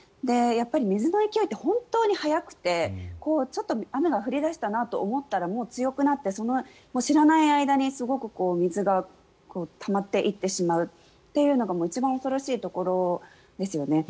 水の勢いって本当に速くてちょっと雨が降り出したなと思ったらもう強くなって知らない間にすごく水がたまっていってしまうというのが一番恐ろしいところですよね。